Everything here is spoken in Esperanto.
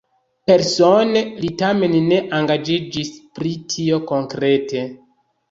Persone li tamen ne engaĝiĝis pri tio konkrete.